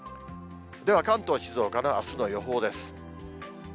では関東、静岡のあすの予報です。